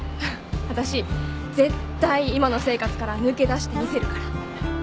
わたし絶対今の生活から抜け出してみせるから。